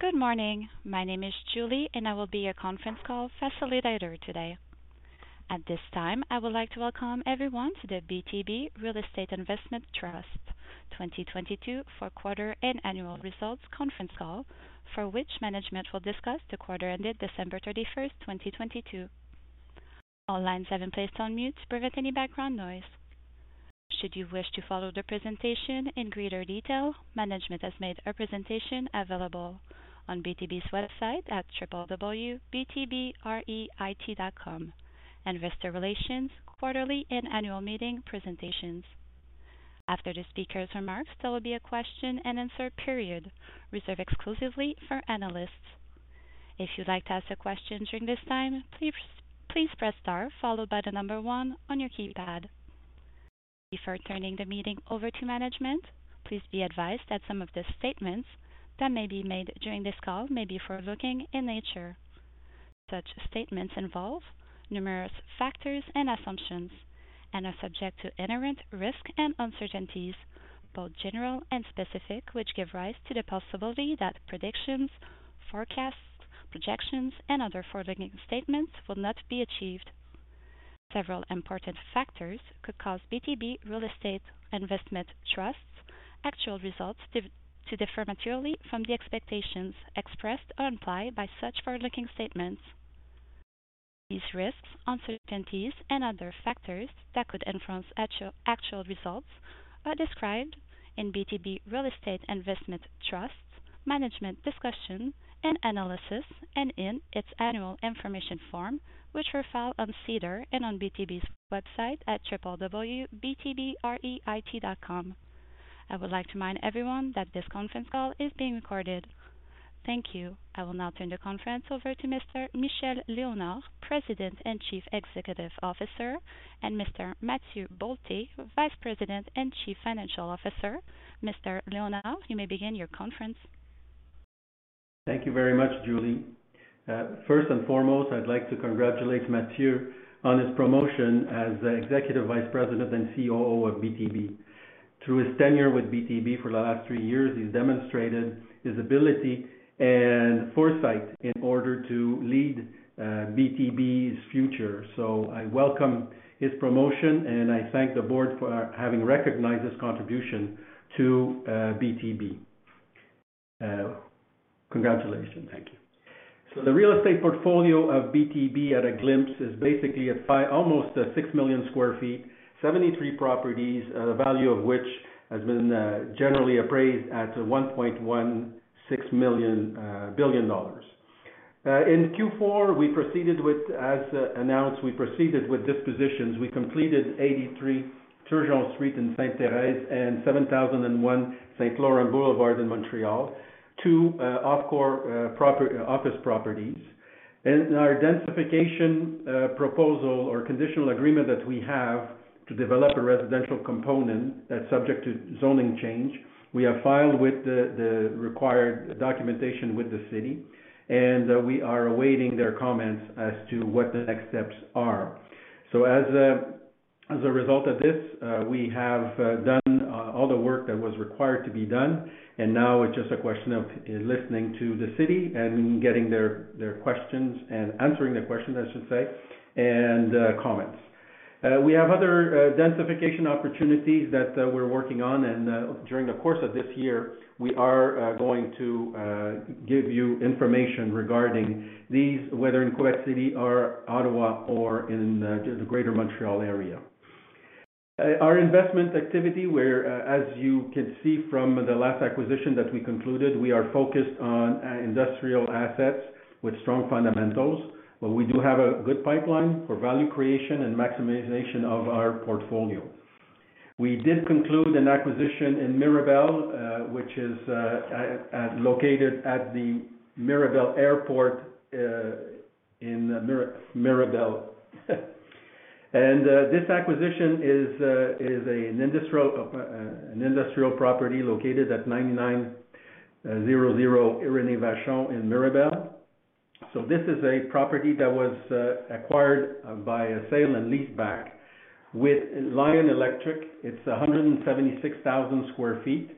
Good morning. My name is Julie, I will be your conference call facilitator today. At this time, I would like to welcome everyone to the BTB Real Estate Investment Trust 2022 Fourth Quarter and Annual Results Conference Call, for which management will discuss the quarter ended December 31st, 2022. All lines have been placed on mute to prevent any background noise. Should you wish to follow the presentation in greater detail, management has made a presentation available on BTB's website at www.btbreit.com. Investor relations, quarterly and annual meeting presentations. After the speakers' remarks, there will be a question-and-answer period reserved exclusively for analysts. If you'd like to ask a question during this time, please press star followed by one on your keypad. Before turning the meeting over to management, please be advised that some of the statements that may be made during this call may be forward-looking in nature. Such statements involve numerous factors and assumptions and are subject to inherent risks and uncertainties, both general and specific, which give rise to the possibility that predictions, forecasts, projections, and other forward-looking statements will not be achieved. Several important factors could cause BTB Real Estate Investment Trust's actual results to differ materially from the expectations expressed or implied by such forward-looking statements. These risks, uncertainties, and other factors that could influence actual results are described in BTB Real Estate Investment Trust's Management Discussion and Analysis and in its annual information form, which were filed on SEDAR and on BTB's website at www.btbreit.com. I would like to remind everyone that this conference call is being recorded. Thank you. I will now turn the conference over to Mr. Michel Léonard, President and Chief Executive Officer, and Mr. Mathieu Bolté, Vice President and Chief Financial Officer. Mr. Léonard, you may begin your conference. Thank you very much, Julie. First and foremost, I'd like to congratulate Mathieu on his promotion as Executive Vice President and COO of BTB. Through his tenure with BTB for the last three years, he's demonstrated his ability and foresight in order to lead BTB's future. I welcome his promotion, and I thank the board for having recognized his contribution to BTB. Congratulations. Thank you. The real estate portfolio of BTB at a glimpse is basically at almost 6 million sq ft, 73 properties, the value of which has been generally appraised at 1.16 billion dollars. In Q4, we proceeded with, as announced, we proceeded with dispositions. We completed 83 Turgeon Street in Sainte-Thérèse and 7,001 Saint Laurent Boulevard in Montreal, two off-core office properties. Our densification proposal or conditional agreement that we have to develop a residential component that's subject to zoning change, we have filed with the required documentation with the city, and we are awaiting their comments as to what the next steps are. As a result of this, we have done all the work that was required to be done, and now it's just a question of listening to the city and getting their questions and answering their questions, I should say, and comments. We have other densification opportunities that we're working on and during the course of this year, we are going to give you information regarding these, whether in Quebec City or Ottawa or in the greater Montreal area. Our investment activity where, as you can see from the last acquisition that we concluded, we are focused on industrial assets with strong fundamentals, but we do have a good pipeline for value creation and maximization of our portfolio. We did conclude an acquisition in Mirabel, which is located at the Mirabel Airport in Mirabel. This acquisition is an industrial property located at 9900 Irénée-Vachon in Mirabel. This is a property that was acquired by a sale and leaseback with Lion Electric. It's 176,000 sq ft.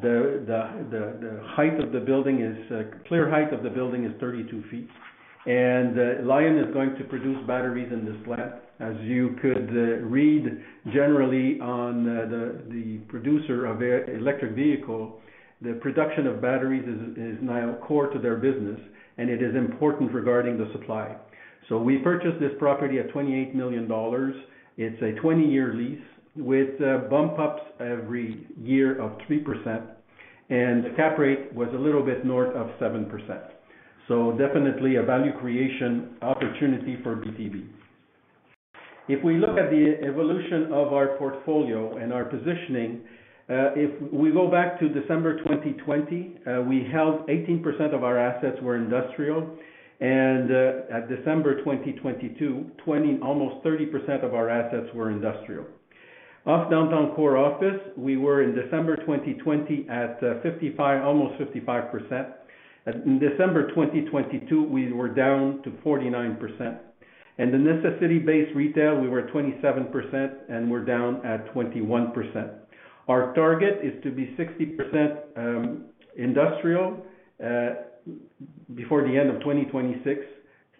The clear height of the building is 32 feet. Lion is going to produce batteries in this lab. As you could read generally on the producer of electric vehicle, the production of batteries is now core to their business, and it is important regarding the supply. We purchased this property at 28 million dollars. It's a 20-year lease with bump-ups every year of 3%, and the cap rate was a little bit north of 7%. Definitely a value creation opportunity for BTB. If we look at the evolution of our portfolio and our positioning, if we go back to December 2020, we held 18% of our assets were industrial, and at December 2022, almost 30% of our assets were industrial. Off downtown core office, we were in December 2020 at almost 55%. In December 2022, we were down to 49%. The necessity-based retail, we were at 27%, and we're down at 21%. Our target is to be 60% industrial before the end of 2026.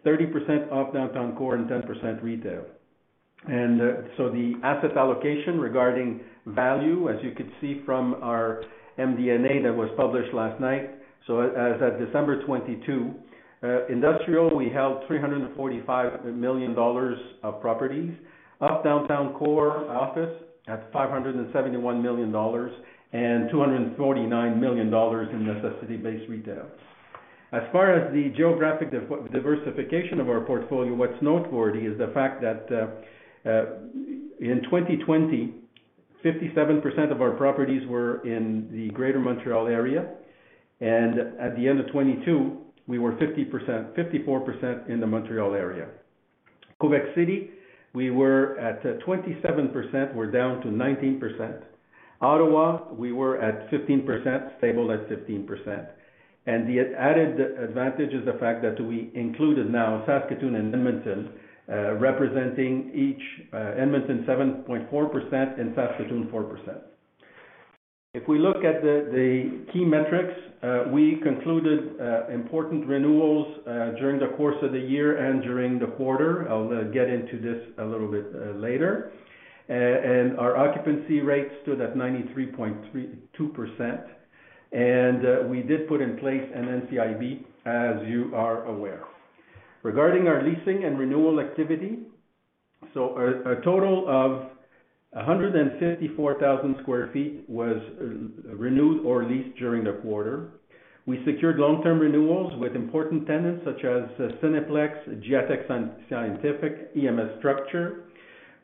30% of downtown core and 10% retail. The asset allocation regarding value, as you could see from our MD&A that was published last night. As at December 2022, industrial, we held 345 million dollars of properties. Of downtown core office at 571 million dollars, and 249 million dollars in necessity-based retail. As far as the geographic diversification of our portfolio, what's noteworthy is the fact that in 2020, 57% of our properties were in the Greater Montreal area, and at the end of 2022, we were 54% in the Montreal area. Quebec City, we were at 27%, we're down to 19%. Ottawa, we were at 15%, stable at 15%. The added advantage is the fact that we included now Saskatoon and Edmonton, representing each, Edmonton 7.4% and Saskatoon 4%. If we look at the key metrics, we concluded important renewals during the course of the year and during the quarter. I'll get into this a little bit later. Our occupancy rate stood at 93.2%, and we did put in place an NCIB, as you are aware. Regarding our leasing and renewal activity, a total of 154,000 sq ft was renewed or leased during the quarter. We secured long-term renewals with important tenants such as Cineplex, GATX, SIA Scientific, EML Structure.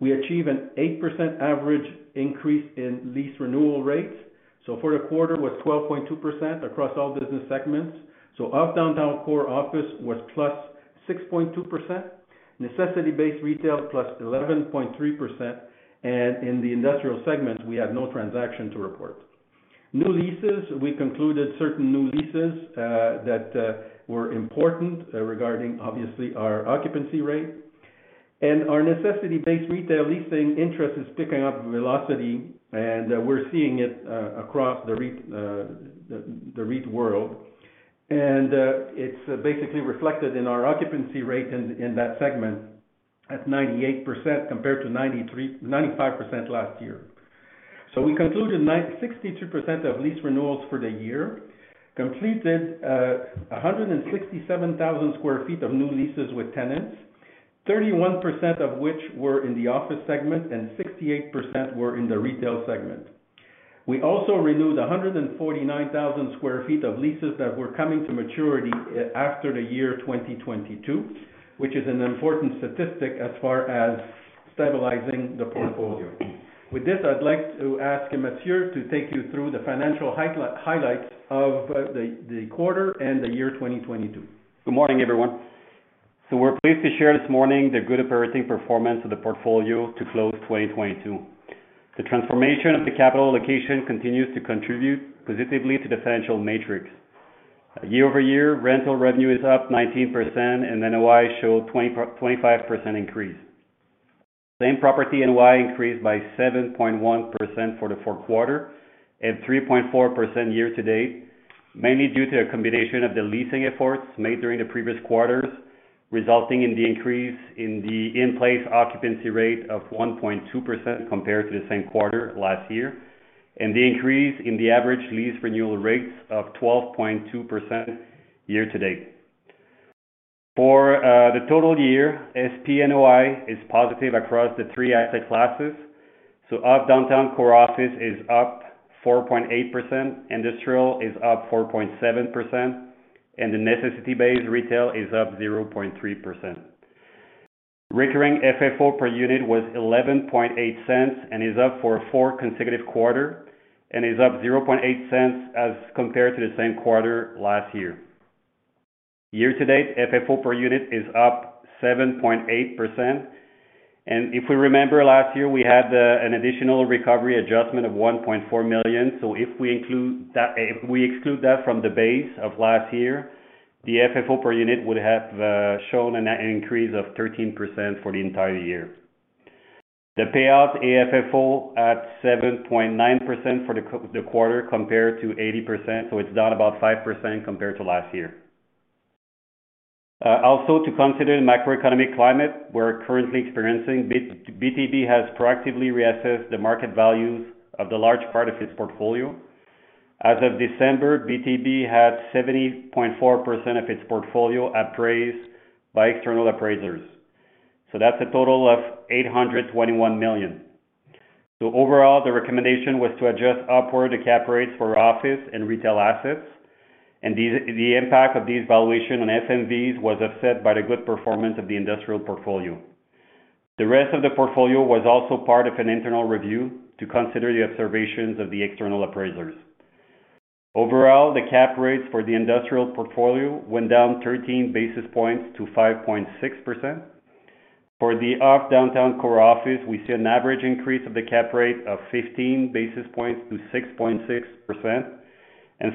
We achieve an 8% average increase in lease renewal rates. For a quarter was 12.2% across all business segments. Downtown core office was +6.2%, necessity-based retail +11.3%, and in the industrial segment, we had no transaction to report. New leases, we concluded certain new leases that were important regarding obviously our occupancy rate. Our necessity-based retail leasing interest is picking up velocity, and we're seeing it across the REIT world. It's basically reflected in our occupancy rate in that segment at 98% compared to 95% last year. We concluded 62% of lease renewals for the year, completed 167,000 square feet of new leases with tenants, 31% of which were in the office segment and 68% were in the retail segment. We also renewed 149,000 square feet of leases that were coming to maturity after the year 2022, which is an important statistic as far as stabilizing the portfolio. With this, I'd like to ask Mathieu to take you through the financial highlights of the quarter and the year 2022. Good morning, everyone. We're pleased to share this morning the good operating performance of the portfolio to close 2022. The transformation of the capital allocation continues to contribute positively to the financial metrics. Year-over-year, rental revenue is up 19%, and NOI show 25% increase. Same-Property NOI increased by 7.1% for the fourth quarter, and 3.4% year-to-date, mainly due to a combination of the leasing efforts made during the previous quarters, resulting in the increase in the in-place occupancy rate of 1.2% compared to the same quarter last year, and the increase in the average lease renewal rates of 12.2% year-to-date. For the total year, SPNOI is positive across the three asset classes. Off-downtown core office is up 4.8%, industrial is up 4.7%, and the necessity-based retail is up 0.3%. Recurring FFO per unit was 0.118 and is up for a four consecutive quarter, and is up 0.008 as compared to the same quarter last year. Year to date, FFO per unit is up 7.8%. If we remember last year, we had an additional recovery adjustment of 1.4 million. If we exclude that from the base of last year, the FFO per unit would have shown an increase of 13% for the entire year. The payout AFFO at 7.9% for the quarter compared to 80%, so it's down about 5% compared to last year. Also to consider the macroeconomic climate we're currently experiencing, BTB has proactively reassessed the market values of the large part of its portfolio. As of December, BTB had 70.4% of its portfolio appraised by external appraisers. That's a total of 821 million. Overall, the recommendation was to adjust upward the cap rates for office and retail assets. The impact of these valuation on FMVs was offset by the good performance of the industrial portfolio. The rest of the portfolio was also part of an internal review to consider the observations of the external appraisers. Overall, the cap rates for the industrial portfolio went down 13 basis points to 5.6%. For the off-downtown core office, we see an average increase of the cap rate of 15 basis points to 6.6%.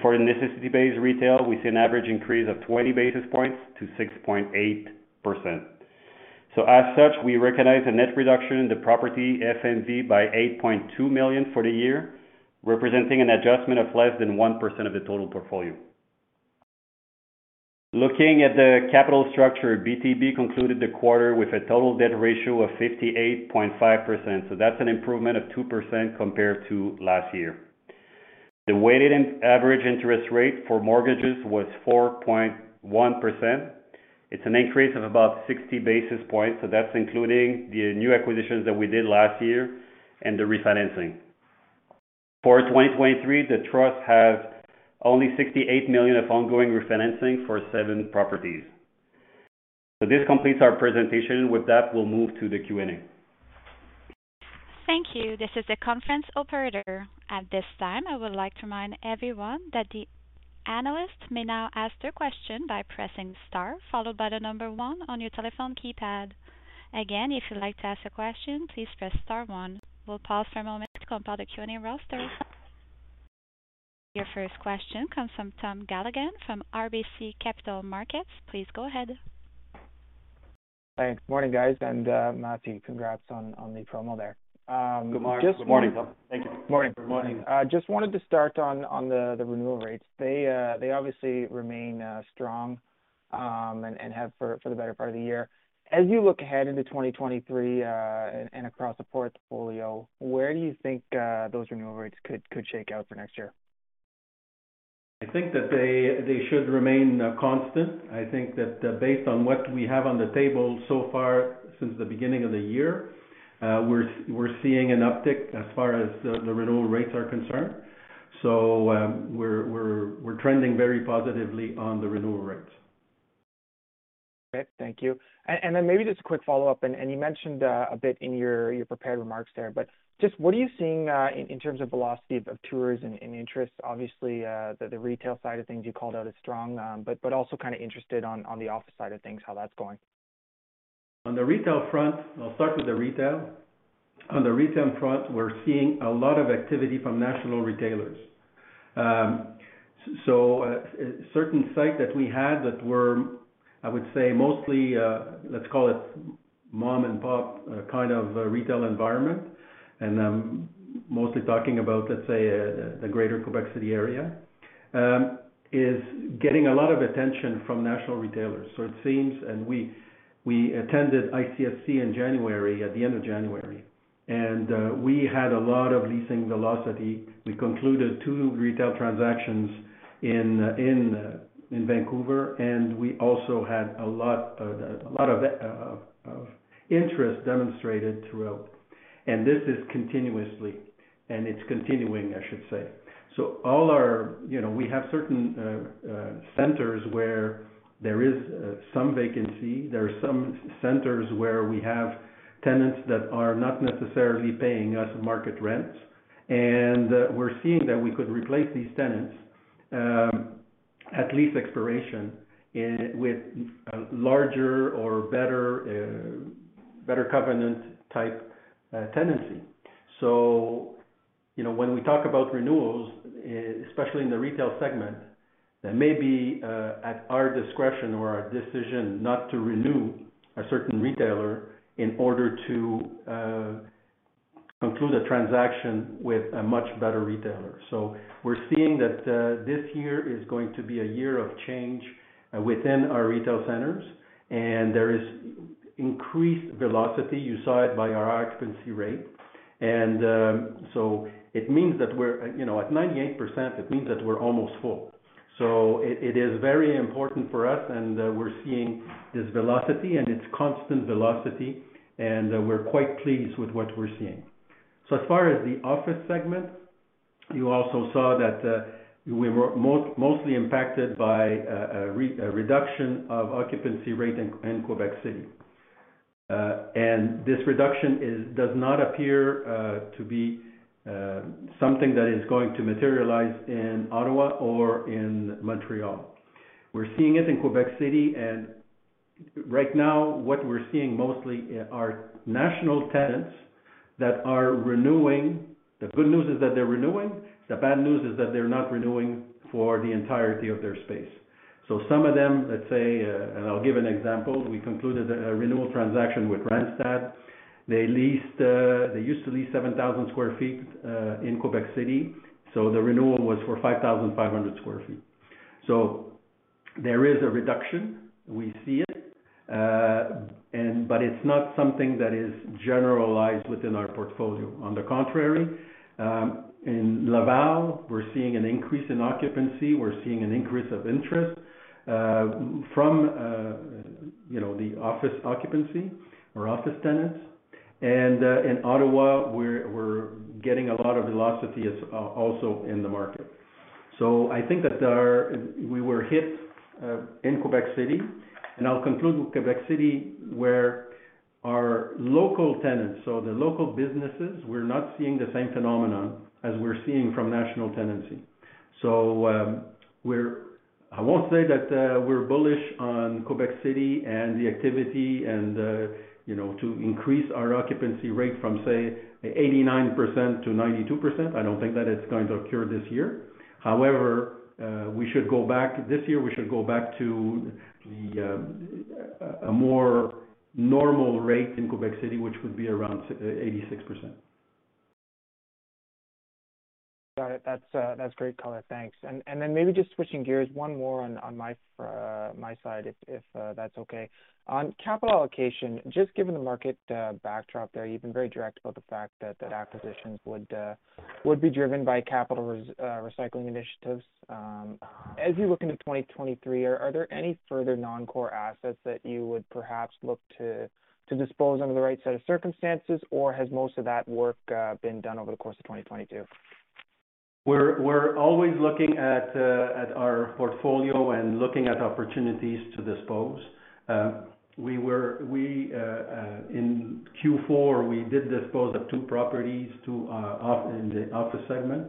For necessity-based retail, we see an average increase of 20 basis points to 6.8%. As such, we recognize a net reduction in the property FMV by 8.2 million for the year, representing an adjustment of less than 1% of the total portfolio. Looking at the capital structure, BTB concluded the quarter with a total debt ratio of 58.5%. That's an improvement of 2% compared to last year. The weighted average interest rate for mortgages was 4.1%. It's an increase of about 60 basis points. That's including the new acquisitions that we did last year and the refinancing. For 2023, the trust has only 68 million of ongoing refinancing for seven properties. This completes our presentation. With that, we'll move to the Q&A. Thank you. This is the conference operator. At this time, I would like to remind everyone that the analysts may now ask their question by pressing star, followed by one on your telephone keypad. Again, if you'd like to ask a question, please press star one. We'll pause for a moment to compile the Q&A roster. Your first question comes from Tom Callaghan from RBC Capital Markets. Please go ahead. Thanks. Morning, guys, and, Mathieu, congrats on the promo there. Good morning. Good morning, Tom. Thank you. Morning. Good morning. I just wanted to start on the renewal rates. They obviously remain strong and have for the better part of the year. As you look ahead into 2023 and across the portfolio, where do you think those renewal rates could shake out for next year? I think that they should remain constant. I think that, based on what we have on the table so far since the beginning of the year, we're seeing an uptick as far as the renewal rates are concerned. We're trending very positively on the renewal rates. Okay. Thank you. Maybe just a quick follow-up, and you mentioned a bit in your prepared remarks there, but just what are you seeing in terms of velocity of tours and interest? Obviously, the retail side of things you called out as strong, but also kinda interested on the office side of things, how that's going? I'll start with the retail. On the retail front, we're seeing a lot of activity from national retailers. Certain sites that we had that were, I would say, mostly, let's call it mom-and-pop, kind of retail environment, and I'm mostly talking about, let's say, the greater Quebec City area, is getting a lot of attention from national retailers. It seems, and we attended ICSC in January, at the end of January, and we had a lot of leasing velocity. We concluded two retail transactions in Vancouver, and we also had a lot of interest demonstrated throughout. It's continuing, I should say. You know, we have certain centers where there is some vacancy. There are some centers where we have tenants that are not necessarily paying us market rents. We're seeing that we could replace these tenants at lease expiration with a larger or better covenant-type tenancy. You know, when we talk about renewals, especially in the retail segment, that may be at our discretion or our decision not to renew a certain retailer in order to conclude a transaction with a much better retailer. We're seeing that this year is going to be a year of change within our retail centers, and there is increased velocity. You saw it by our occupancy rate. You know, at 98%, it means that we're almost full. It, it is very important for us, and we're seeing this velocity, and it's constant velocity, and we're quite pleased with what we're seeing. As far as the office segment, you also saw that we were mostly impacted by a reduction of occupancy rate in Quebec City. This reduction does not appear to be something that is going to materialize in Ottawa or in Montreal. We're seeing it in Quebec City, and right now what we're seeing mostly are national tenants that are renewing. The good news is that they're renewing. The bad news is that they're not renewing for the entirety of their space. Some of them, let's say, I'll give an example. We concluded a renewal transaction with Randstad. They leased, they used to lease 7,000 sq ft in Quebec City, so the renewal was for 5,500 sq ft. There is a reduction. We see it. It's not something that is generalized within our portfolio. On the contrary, in Laval, we're seeing an increase in occupancy. We're seeing an increase of interest from, you know, the office occupancy or office tenants. In Ottawa, we're getting a lot of velocity also in the market. I think that we were hit in Quebec City, and I'll conclude with Quebec City, where our local tenants, so the local businesses, we're not seeing the same phenomenon as we're seeing from national tenancy. I won't say that we're bullish on Quebec City and the activity and, you know, to increase our occupancy rate from, say, 89% to 92%. I don't think that it's going to occur this year. However, this year, we should go back to the more normal rate in Quebec City, which would be around 86%. Got it. That's, that's great color. Thanks. Then maybe just switching gears, one more on my side if that's okay. On capital allocation, just given the market backdrop there, you've been very direct about the fact that acquisitions would be driven by capital recycling initiatives. As you look into 2023, are there any further non-core assets that you would perhaps look to dispose under the right set of circumstances? Or has most of that work been done over the course of 2022? We're always looking at our portfolio and looking at opportunities to dispose. We in Q-four, we did dispose of two properties, two off in the office segment.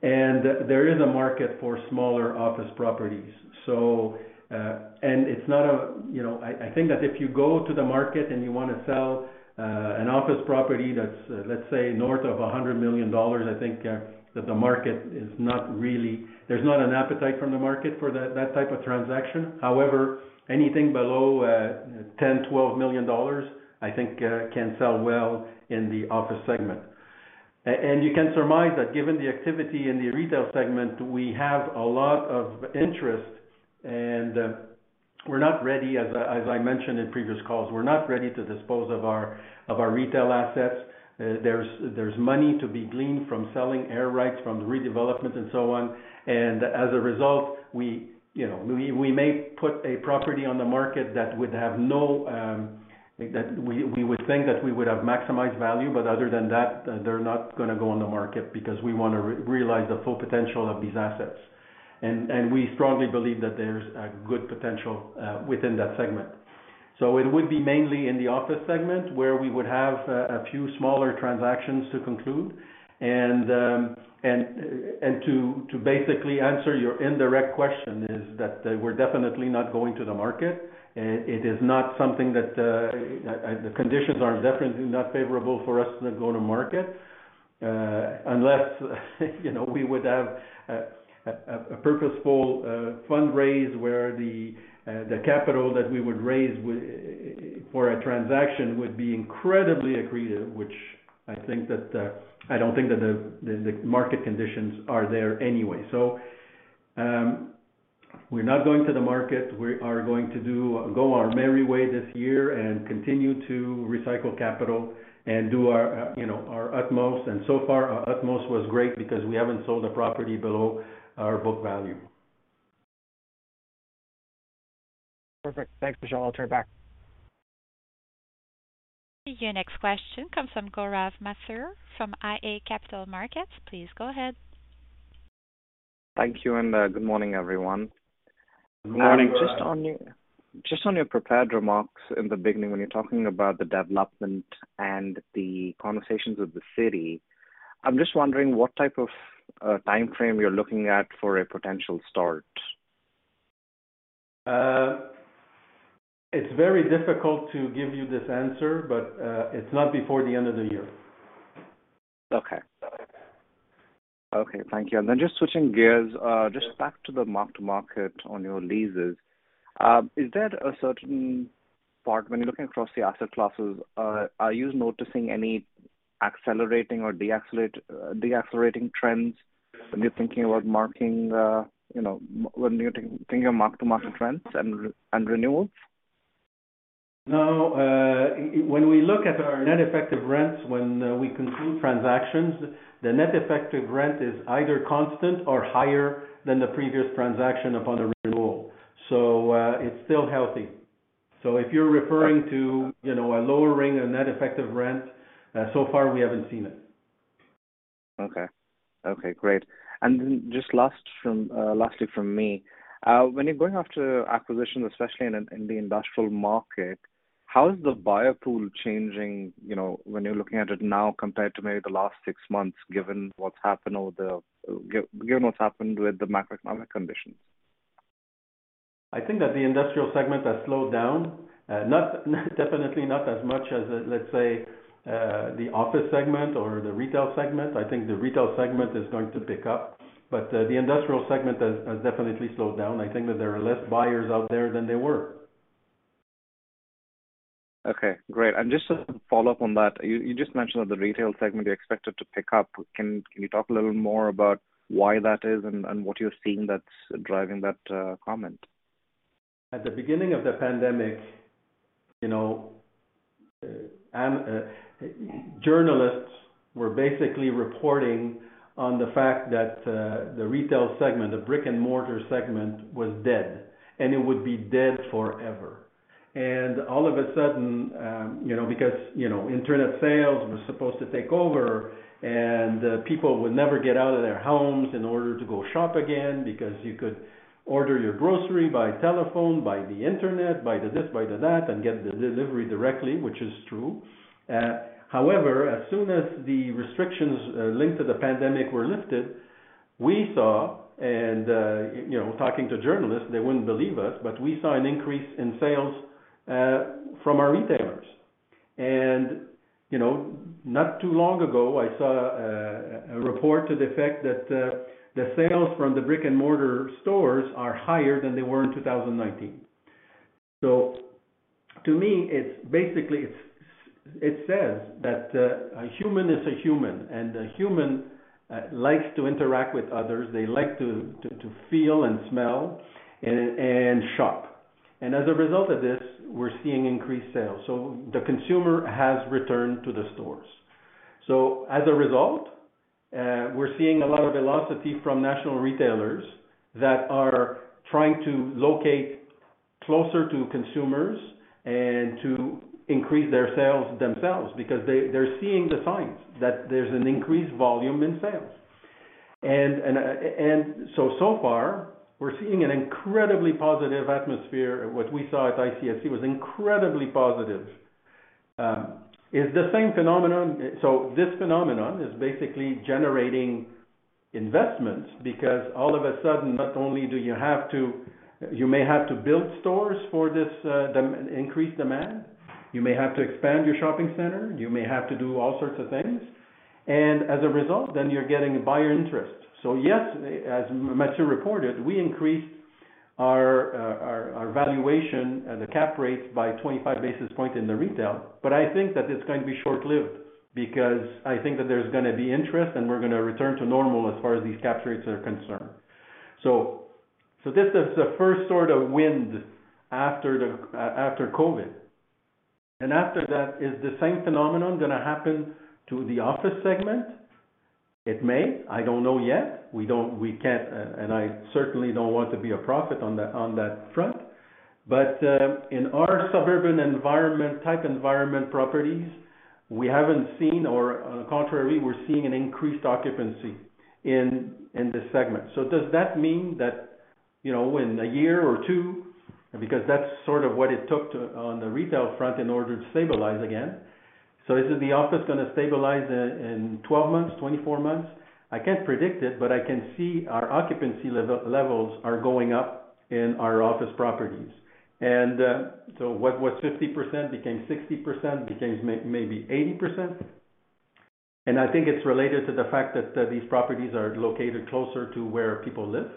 There is a market for smaller office properties. It's not a, you know, I think that if you go to the market and you wanna sell an office property that's, let's say, north of 100 million dollars, I think that the market is not an appetite from the market for that type of transaction. However, anything below 10 million, 12 million dollars, I think can sell well in the office segment. You can surmise that given the activity in the retail segment, we have a lot of interest. As I mentioned in previous calls, we're not ready to dispose of our retail assets. There's money to be gleaned from selling air rights from the redevelopment and so on. As a result, we, you know, we may put a property on the market that would have no, like that we would think that we would have maximized value, but other than that, they're not gonna go on the market because we wanna realize the full potential of these assets. We strongly believe that there's a good potential within that segment. It would be mainly in the office segment where we would have a few smaller transactions to conclude. To basically answer your indirect question is that we're definitely not going to the market. It is not something that the conditions are definitely not favorable for us to go to market. Unless, you know, we would have a purposeful fundraise where the capital that we would raise for a transaction would be incredibly accretive, which I think that I don't think that the market conditions are there anyway. We're not going to the market. We are going to go our merry way this year and continue to recycle capital and do our, you know, our utmost. So far, our utmost was great because we haven't sold a property below our book value. Perfect. Thanks, Michel. I'll turn it back. Your next question comes from Gaurav Mathur with iA Capital Markets. Please go ahead. Thank you. Good morning, everyone. Good morning, Gaurav. Just on your prepared remarks in the beginning when you're talking about the development and the conversations with the city, I'm just wondering what type of timeframe you're looking at for a potential start? It's very difficult to give you this answer, but it's not before the end of the year. Okay. Okay, thank you. Just switching gears, just back to the mark-to-market on your leases. Is there a certain part when you're looking across the asset classes, are you noticing any accelerating or deaccelerating trends when you're thinking about marking, you know, when you're thinking of mark-to-market trends and renewals? No. When we look at our net effective rents when we conclude transactions, the net effective rent is either constant or higher than the previous transaction upon the renewal. It's still healthy. If you're referring to, you know, a lowering a net effective rent, so far we haven't seen it. Okay. Okay, great. Just last from, lastly from me, when you're going after acquisitions, especially in the industrial market, how is the buyer pool changing, you know, when you're looking at it now compared to maybe the last six months, given what's happened or given what's happened with the macroeconomic conditions? I think that the industrial segment has slowed down. Definitely not as much as, let's say, the office segment or the retail segment. I think the retail segment is going to pick up. The industrial segment has definitely slowed down. I think that there are less buyers out there than there were. Okay, great. Just to follow up on that, you just mentioned that the retail segment, you expect it to pick up. Can you talk a little more about why that is and what you're seeing that's driving that comment? At the beginning of the pandemic, you know, journalists were basically reporting on the fact that the retail segment, the brick-and-mortar segment, was dead, and it would be dead forever. All of a sudden, you know, because, you know, internet sales were supposed to take over and people would never get out of their homes in order to go shop again because you could order your grocery by telephone, by the internet, by the this, by the that, and get the delivery directly, which is true. However, as soon as the restrictions linked to the pandemic were lifted, we saw and, you know, talking to journalists, they wouldn't believe us, but we saw an increase in sales from our retailers. You know, not too long ago, I saw a report to the effect that the sales from the brick-and-mortar stores are higher than they were in 2019. To me, it's basically, it's, it says that a human is a human, and a human likes to interact with others. They like to feel and smell and shop. As a result of this, we're seeing increased sales. The consumer has returned to the stores. As a result, we're seeing a lot of velocity from national retailers that are trying to locate closer to consumers and to increase their sales themselves because they're seeing the signs that there's an increased volume in sales. So far, we're seeing an incredibly positive atmosphere. What we saw at ICSC was incredibly positive. Is the same phenomenon. This phenomenon is basically generating investments because all of a sudden, not only you may have to build stores for this, increased demand, you may have to expand your shopping center, you may have to do all sorts of things. As a result, then you're getting buyer interest. Yes, as Mathieu reported, we increased our valuation, the cap rates by 25 basis point in the retail. I think that it's going to be short-lived because I think that there's gonna be interest, and we're gonna return to normal as far as these cap rates are concerned. This is the first sort of wind after COVID. After that, is the same phenomenon gonna happen to the office segment? It may. I don't know yet. We can't, and I certainly don't want to be a prophet on that front. In our suburban type environment properties, we haven't seen or on the contrary, we're seeing an increased occupancy in this segment. Does that mean that, you know, in a year or two, because that's sort of what it took to on the retail front in order to stabilize again. Is it the office gonna stabilize in 12 months, 24 months? I can't predict it, but I can see our occupancy levels are going up in our office properties. What was 50% became 60%, becomes maybe 80%. I think it's related to the fact that these properties are located closer to where people live.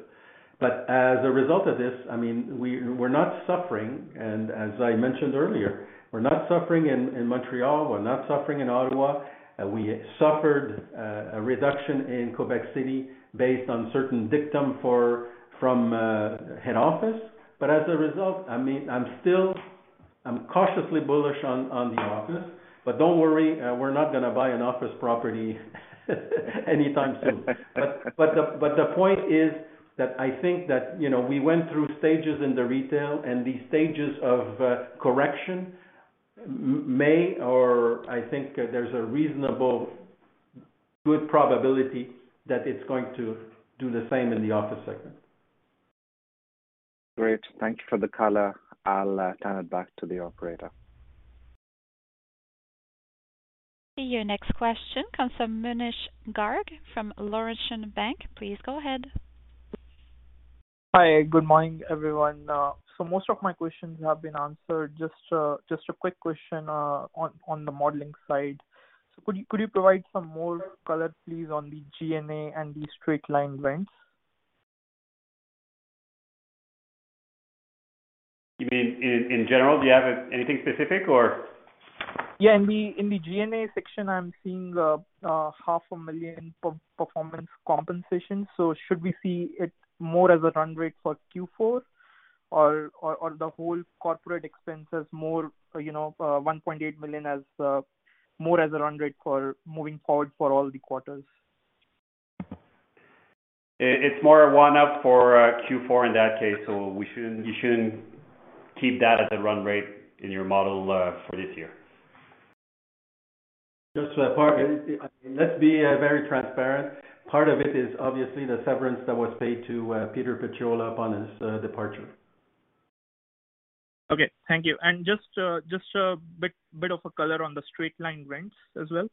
As a result of this, I mean, we're not suffering. As I mentioned earlier, we're not suffering in Montreal, we're not suffering in Ottawa. We suffered a reduction in Quebec City based on certain dictum from head office. As a result, I mean, I'm cautiously bullish on the office. Don't worry, we're not gonna buy an office property anytime soon. The point is that I think that, you know, we went through stages in the retail, and these stages of correction may or I think there's a reasonable good probability that it's going to do the same in the office segment. Great. Thank you for the color. I'll turn it back to the operator. Your next question comes from Munish Garg from Laurentian Bank. Please go ahead. Hi. Good morning, everyone. Most of my questions have been answered. Just a quick question on the modeling side. Could you provide some more color, please, on the G&A and the straight-line rents? You mean in general? Do you have anything specific or— Yeah. In the G&A section, I'm seeing half a million pure-performance compensation. Should we see it more as a run rate for Q4 or the whole corporate expense as more, you know, 1.8 million as more as a run rate for moving forward for all the quarters? It's more a one-off for Q4 in that case. You shouldn't keep that as a run rate in your model for this year. Just to add, Garg. Let's be very transparent. Part of it is obviously the severance that was paid to Peter Parodi upon his departure. Okay. Thank you. Just, a bit of a color on the straight-line rents as well.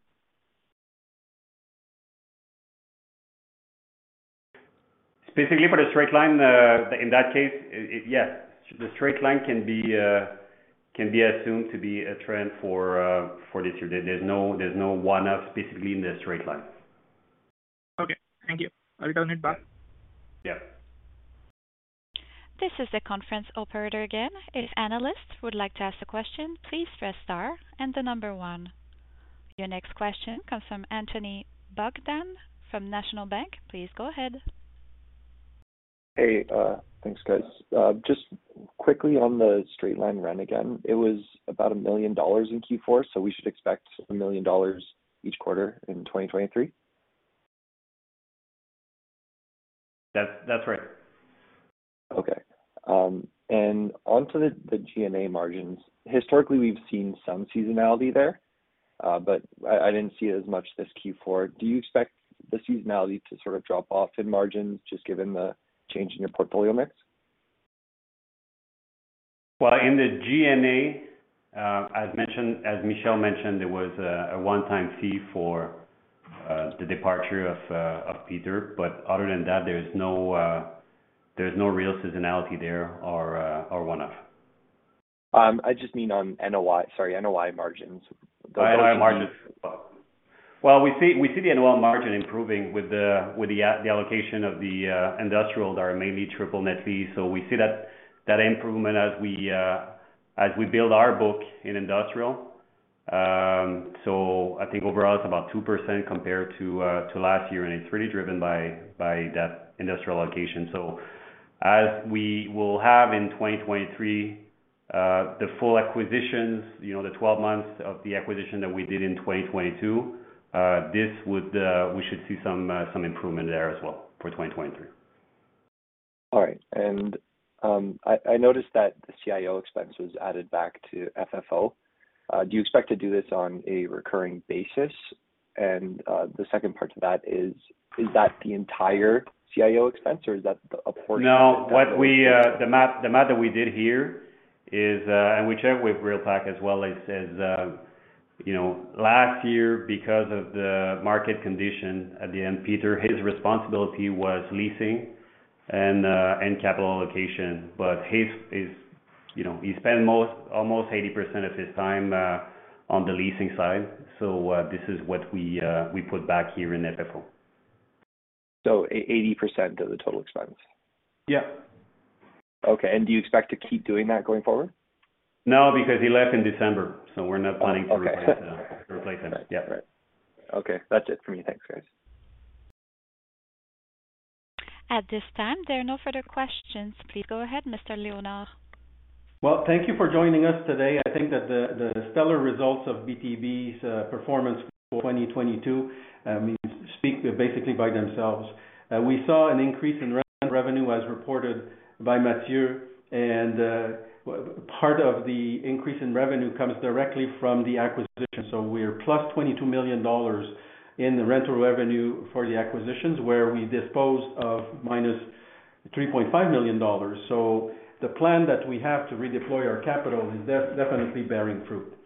Specifically for the straight line, in that case, yes. The straight line can be assumed to be a trend for this year. There's no one-off specifically in the straight line. Okay. Thank you. I return it back. Yeah. This is the conference operator again. If analysts would like to ask a question, please press star and the number one. Your next question comes from Anthony Bogdan from National Bank. Please go ahead. Hey, thanks, guys. just quickly on the straight-line rent again, it was about $1 million in Q4, we should expect $1 million each quarter in 2023? That's right. Okay. Onto the G&A margins. Historically, we've seen some seasonality there, but I didn't see it as much this Q4. Do you expect the seasonality to sort of drop off in margins just given the change in your portfolio mix? In the G&A, as Michel mentioned, there was a one-time fee for the departure of Peter. Other than that, there's no real seasonality there or one-off. I just mean on NOI—sorry, NOI margins. NOI margins, well, we see the NOI margin improving with the allocation of the industrial that are mainly triple net lease. We see that improvement as we build our book in industrial. I think overall, it's about 2% compared to last year, and it's really driven by that industrial allocation. As we will have in 2023, the full acquisitions, you know, the 12 months of the acquisition that we did in 2022, this would, we should see some improvement there as well for 2023. All right. I noticed that the CIO expense was added back to FFO. Do you expect to do this on a recurring basis? The second part to that is that the entire CIO expense, or is that a portion of it? No. What we, the math, the math that we did here is. We checked with REALPAC as well, it says, you know, last year, because of the market condition at the end, Peter, his responsibility was leasing and capital allocation. His, you know, he spent almost 80% of his time on the leasing side. This is what we put back here in FFO. 80% of the total expense? Yeah. Okay. Do you expect to keep doing that going forward? No, because he left in December, so we're not planning to replace him. Yeah. Right. Okay. That's it for me. Thanks, guys. At this time, there are no further questions. Please go ahead, Mr. Léonard. Well, thank you for joining us today. I think that the stellar results of BTB's performance for 2022 speak basically by themselves. We saw an increase in rental revenue as reported by Mathieu. Part of the increase in revenue comes directly from the acquisition. We're +22 million dollars in the rental revenue for the acquisitions, where we disposed of -3.5 million dollars. The plan that we have to redeploy our capital is definitely bearing fruit.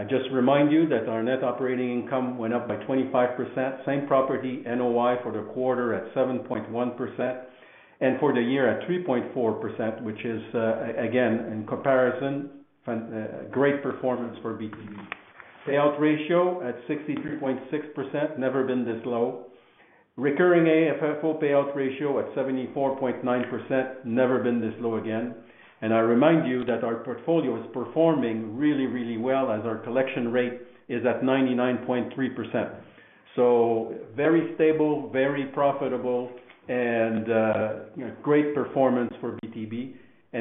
I just remind you that our net operating income went up by 25%. Same-Property NOI for the quarter at 7.1%, and for the year at 3.4%, which is again, in comparison, great performance for BTB. Payout ratio at 63.6%, never been this low. Recurring AFFO payout ratio at 74.9%, never been this low again. I remind you that our portfolio is performing really, really well as our collection rate is at 99.3%. Very stable, very profitable, and, you know, great performance for BTB.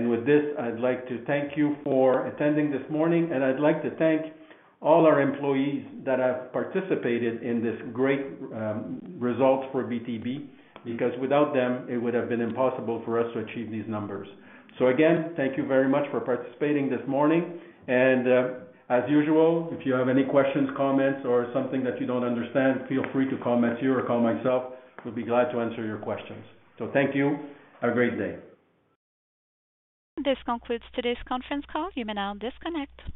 With this, I'd like to thank you for attending this morning, and I'd like to thank all our employees that have participated in this great results for BTB, because without them, it would have been impossible for us to achieve these numbers. Again, thank you very much for participating this morning. As usual, if you have any questions, comments or something that you don't understand, feel free to call Mathieu or call myself. We'll be glad to answer your questions. Thank you. Have a great day. This concludes today's conference call. You may now disconnect.